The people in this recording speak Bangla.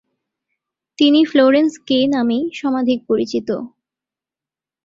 তিনি ফ্লোরেন্স কে নামেই সমধিক পরিচিত।